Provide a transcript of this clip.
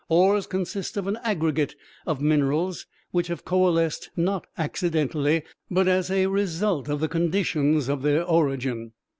Ores consist of an aggregate of minerals which have coalesced not accidentally, but as a result of the conditions of their origin.